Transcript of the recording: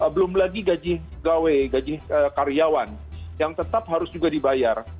belum lagi gaji gawe gaji karyawan yang tetap harus juga dibayar